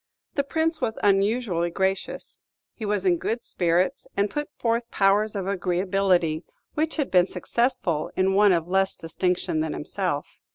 The Prince was unusually gracious. He was in good spirits, and put forth powers of agreeability which had been successful in one of less distinction than himself.